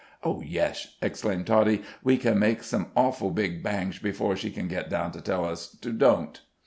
"Oh, yesh!" exclaimed Toddie. "We can make some awful big bangsh before she can get down to tell us to don't."